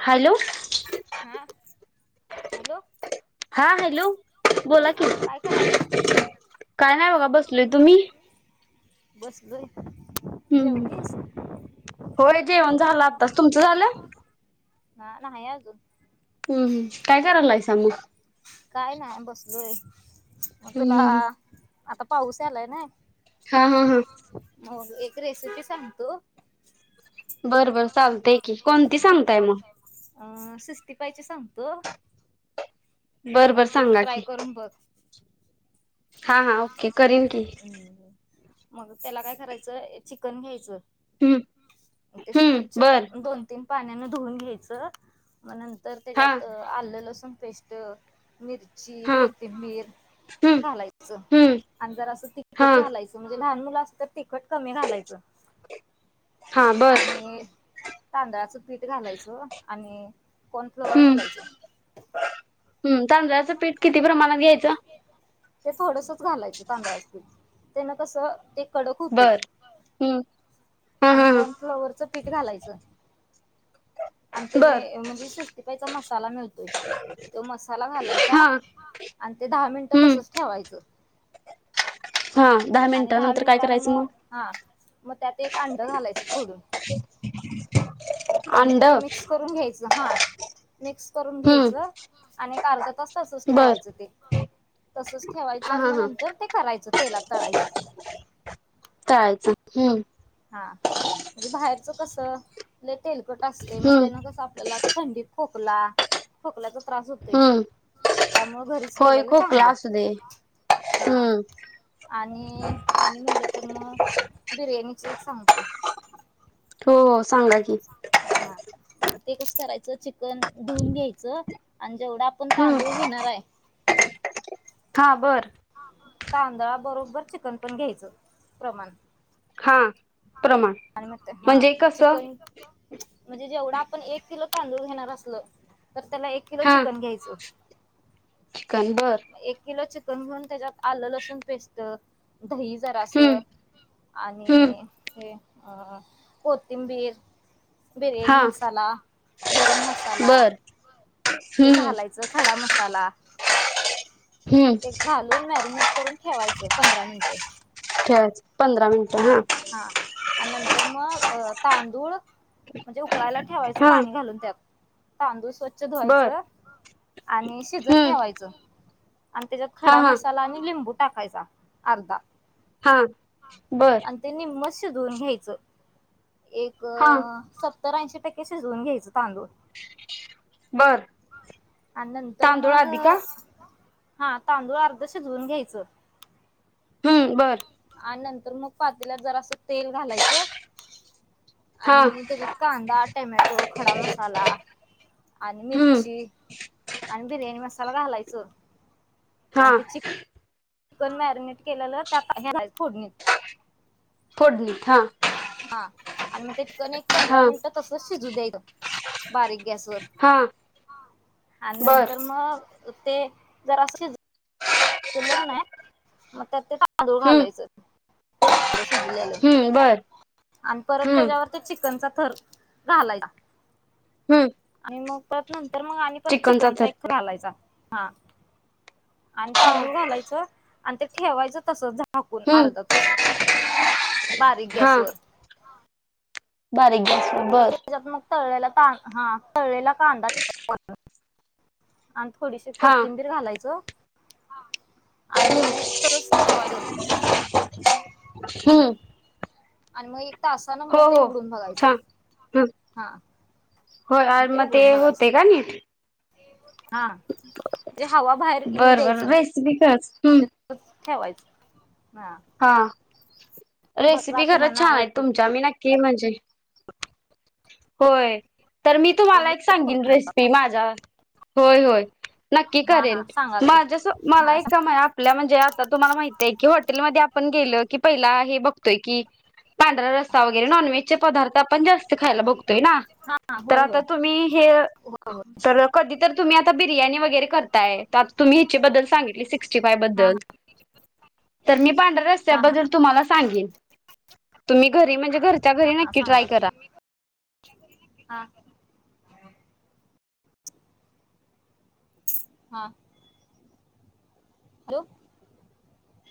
Hello हा, hello. हा hello, बोला की हा काय करायल्यास काय नाही बघा बसलोय, तुम्ही? बसलोय, हम्म जेवलीस? होय जेवण झालं आत्ताच, तुमचं झालं? [unintelligible] नाही अजून. हम् हम्म काय करालायसा मग. काय नाही बसलोय मग तुला हम्म आता पाऊस यालाय नाही. हा हा हा. मग एक रेसिपी सांगतो. बरं बरं चालतय की कोणती सांगताय मग. अं सिक्सटी पायची सांगतो. बरं बर सांगा की. बर. हा हा ओके करीन की. हम्म मग त्याला काय करायचं चिकन घ्यायचं. हम्म ते हम्म स्वच्छ व बर दोन तीन पाण्यान धुवून घ्यायचं मग नंतर हा त्याच्यात आलं लसूण पेस्ट मिरची, हा कोथिंबीर हम्म घालायचं हम्म आणि जरास हा तिखट घालायचं म्हणजे लहान मुलं असंतात तिखट कमी घा लायचं हा बर आणि तांदळाच पीठ ते घालायचं आणि कॉर्नफ्लॉवर घालायचं. हम पीठ तांदळाचं पीठ किती प्रमाणात घ्यायचं. ते थोडसच घालायचं तांदळा पीठ तेन कसं एक बर, हम्. आणि कॉर्न फ्लॉवरचं पीठ घालायचं. आणि बर ते म्हणजे सेस्तीपायचा मसाला मिळतोय. ते मसाला घालायचा हा आणि ते दहा मिनटं हम्म तसच ठेवायचं. हा आणि दहा मिनिटानंतर काय मिनिटान करायचं मग, हा. मग त्यात- एक अंड घालायचं फोडून. आणि अंड ते मिक्स करून घ्यायचं. हां. मिक्स करून हम्म घ्यायचं आणि एक अर्धा तास तसच बर ठेवायचं ते. तसच ठेवायचं हा आणि हा मग हा नंतर ते करायचं. तेलात तळायचं. तळायचं. हम्म. हां. म्हणजे बाहेरच कस? लई तेलकट असतय. मग त्यान हम्म कसं आपल्याला थंडीत- खोकला- खोकल्याचा त्रास होतोय. हम्म त्यामुळ घरीच होय केलेल खोकला चांगलय. असू दे हा. हम्म आणि आणि म्हटलं तर मग- बिर्याणीची एक सांगतो. हो. हो सांगा की. हां. ते कस करायचं? चिकन धुऊन घ्यायचं आणि जेवढा - आपण हम्म तांदूळ घेणार आहे- हां. बरं. तांदळा बरोबर चिकन पण घ्यायचं प्रमाण. हां. प्रमाण. आणि मग ते हा म्हणजे कस? चिकन म्हणजे जेवढा आपण एक किलो तांदूळ घेणार असल, तर त्याला एक किलो हा चिकन घ्यायचं. चिकन बर. एक किलो चिकन घेऊन त्याच्यात आलं, लसूण पेस्ट - दही हम्म जरासं हम्म आणि- हे अ कोथिंबीर. बिर्याणी हा मसाला, गरम मसाला. बर ते हम्म घालायचं. खडा मसाला. हम्म ते घालून मॅरिनेट करून ठेवायचं. पंधरा मिनिटं. ठेवायचं. पंधरा मिनिटं हा हो. हा. आणि नंतर मग तांदूळ- म्हणजे उकळायला ठेवायचं हा पाणी घालून त्यात. तांदूळ स्वच्छ- -च्छ धुवायच बर आणि शिजत हम्म ठेवायच. आणि त्याच्यात हा खडा हा मसाला आणि लिंबू टाकायचा अर्धा. हां. बरं. त्यांनी मस शिजवून घ्यायचं. एक- हा -त्तर ऐंशी टक्के शिजवून घ्यायच तांदूळ. बर आणि नंतर तांदूळ मग- आधी का हां. तांदूळ अर्ध शिजवून घ्यायचं. हम्म. बरं. आणि नंतर मग पातील्यात जरासं तेल घालायचं- हा आणि त्याच्यात कांदा, टमॅटो खडा मसाला. आणि हम्म मिरची आणि बिर्याणी मसाला घालायच. हां. Chicken marinate केलल. [unintelligible] त्या फोडणीत. थोडणी, हा. हा, आणि मग ते तिकन एक पंधरा हा मिनिटं तस शिजू द्यायचं. बारीक गॅस वर हा आणि बर नंतर मग ते, जरा शिजलं कनाय, मग तर ते ट तांदूळ हम्म घालायचं शिजलेलं, हम्म बर आणि परत हम्म त्याच्यावर चिकनचा थर घालाय चा. हम्म आणि मग त्यात नंतर मग आणि परत चिकनचा एक घालायचा, हा. आणि तांदूळ घालायचं आणि ते ठेवायचं तसं झा झाकून हम्म अर्धा तास, बारीक हा गॅस वर. बारीक गॅ र त्याच्यात मग तळला त हा तळेला कांदा ठे आणि थोडीशी हा कोथिंबीर घालायचं. आणि तस ठेवायच. हम्म. आणि मग एक तासा ना हो ते हो उघडून बघायचं, हा हो आणि मग ते उघडून होते बघायचं का निट. हा, हवाबाहेर. बरं-बरं रेसिपी खच. त ठेवायचं, हा. हा, बघा रेसिपी खरंच तुम्हाला छान आहे आवडली तुमच्या, मी नक्की आहे म्हणजे. होय, तर मी तुम्हाला आवडली एक सांगेन रेसिपी माझ्या, होय-होय. नक्की हा हा करेन, सांगा की माझस मला हा एक कमळा. आपल्या म्हणजे आता तुम्हाला माहितय की हॉटेलमध्ये आपण गेल की पहिला हे बघतोय की. पांढरा रसा वगैरे, नॉन व्हेजचे पदार्थ आपण जास्त खायला बघतोय ना, हा तर होय आता होय तुम्ही हे होय होय सर कधी तर तुम्ही आता बिर्याणी वगैरे करताय, तर आ तुम्ही ह्याचा बद्दल सांगितले सिक्सटी फाय बद्दल. [unintelligible] तर मी पांढऱ्या हा हा रस्त्याबद्दल तुम्हाला सांगेन, तुम्ही घरी म्हणजे घर हा सांगा, हा [unintelligible] हा, हॅलो.